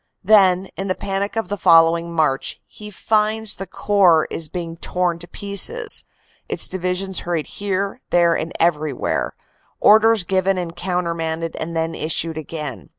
Then, in the panic of the following March, he finds the Corps is being torn to pieces, its Divisions hurried here, there and everywhere; orders given and countermanded and then issued again.